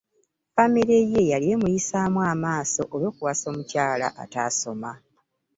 Famire ye yali emuyisaamu amaaso olw'okuwasa omukyala atasoma.